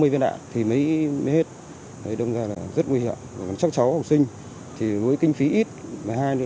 năm mươi viên đạn thì mới hết đông ra là rất nguy hiểm chắc cháu học sinh thì với kinh phí ít mà hai nữa